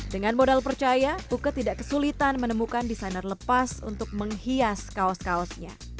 dengan modal percaya uke tidak kesulitan menemukan desainer lepas untuk menghias kaos kaosnya